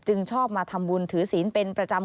ชอบมาทำบุญถือศีลเป็นประจำ